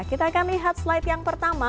kita akan lihat slide yang pertama